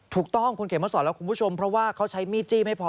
ถูกต้องคุณเขียนมาสอนและคุณผู้ชมเพราะว่าเขาใช้มีดจี้ไม่พอ